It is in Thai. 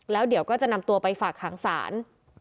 แล้วเดี๋ยวก็จะนำตัวไปฝากหางศาล